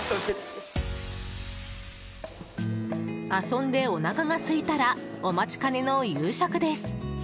遊んでおなかがすいたらお待ちかねの夕食です。